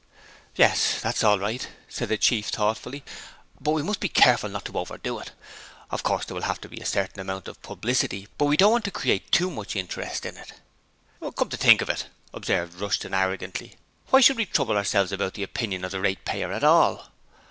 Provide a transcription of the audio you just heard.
'Yes, that's all right,' said the Chief, thoughtfully, 'but we must be careful not to overdo it; of course there will have to be a certain amount of publicity, but we don't want to create too much interest in it.' 'Come to think of it,' observed Rushton arrogantly, 'why should we trouble ourselves about the opinion of the ratepayers at all?